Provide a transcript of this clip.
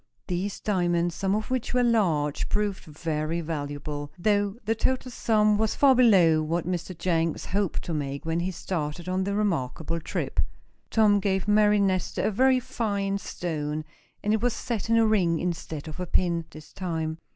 These diamonds, some of which were large, proved very valuable, though the total sum was far below what Mr. Jenks hoped to make when he started on the remarkable trip. Tom gave Mary Nestor a very fine stone, and it was set in a ring, instead of a pin, this time.